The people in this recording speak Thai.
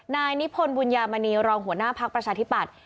นายนิพนธ์บุญญามณีรองหัวหน้าภักดิ์ประชาธิปัตย